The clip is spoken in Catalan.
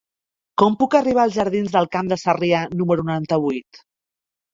Com puc arribar als jardins del Camp de Sarrià número noranta-vuit?